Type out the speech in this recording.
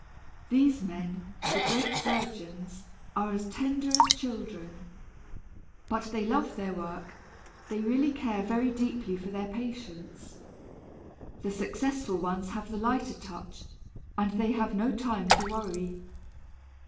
These men the great surgeons are as tender as children. But they love their work, they really care very deeply for their patients. The successful ones have the lighter touch and they have no time for worry.